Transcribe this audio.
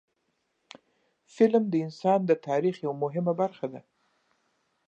فلم د انسان د تاریخ یوه مهمه برخه ده